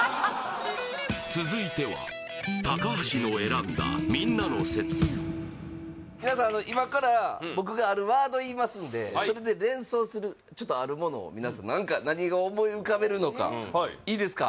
続いては皆さん今から僕があるワード言いますんでそれで連想するちょっとあるものを皆さん何か何が思い浮かべるのかいいですか？